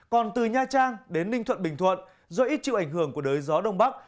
còn từ nha trang đến ninh thuận bình thuận do ít chịu ảnh hưởng của đới gió đông bắc